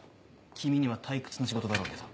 君には退屈な仕事だろうけど。